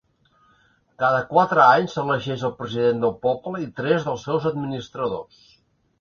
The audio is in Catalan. Cada quatre anys s'elegeix el president del poble i tres dels seus administradors.